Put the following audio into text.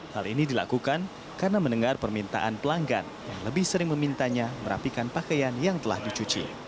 hal ini dilakukan karena mendengar permintaan pelanggan yang lebih sering memintanya merapikan pakaian yang telah dicuci